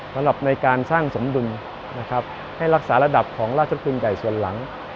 สำหรับในการสร้างสมดุลนะครับให้รักษาระดับของราชกุลใหญ่ส่วนหลัง